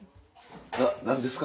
な何ですか？